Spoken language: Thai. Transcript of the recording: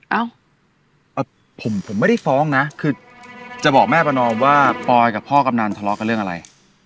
เอ้าผมไม่ได้ฟ้องนะคือจะบอกแม่ประนอมว่าปอยกับพ่อกำนันทะเลาะกับเรื่องอะไร